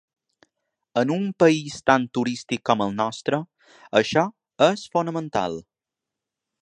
En un país tan turístic com el nostre això és fonamental.